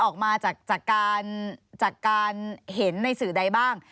ออกมาจากการเห็นในสื่อใดบ้าง